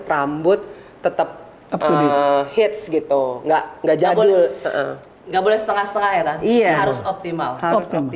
rambut tetap hits gitu nggak nggak jadul nggak boleh setengah setengah ya kan harus optimal